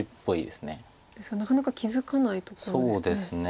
ですがなかなか気付かないところですね。